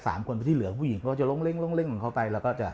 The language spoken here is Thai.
เพราะที่เหลือผู้หญิงเค้าก็จะลงเล่งลงเข้าไป